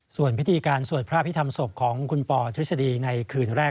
ส่วนพิธีการสวดพระพิธรรมศพของคุณปอทฤษฎีในคืนแรก